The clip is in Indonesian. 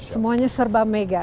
semuanya serba mega